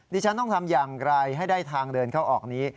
ฉันต้องทำอย่างไรให้ได้ทางเดินเข้าออกนี้